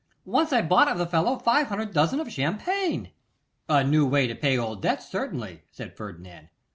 Once I bought of the fellow five hundred dozen of champagne.' 'A new way to pay old debts, certainly,' said Ferdinand.